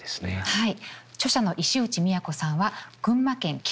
はい。